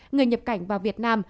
người nhập cảnh vào việt nam